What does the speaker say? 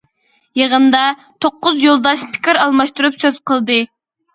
يىغىندا، توققۇز يولداش پىكىر ئالماشتۇرۇپ سۆز قىلدى.